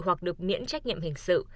hoặc được miễn trách nhiệm hình sự